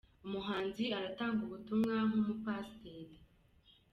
umuhanzi aratanga ubutumwa nk’umupasiteri